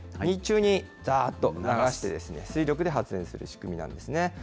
日中にざーっと流して、水力で発電する仕組みなんですね。